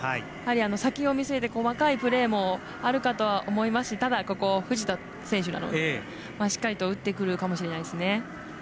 先を見据えて若いプレーもあるかと思いますがただ、ここ藤田選手なのでしっかりと打ってくるかもしれないですね。